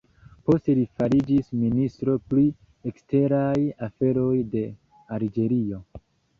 Poste li fariĝis ministro pri eksteraj aferoj de Alĝerio.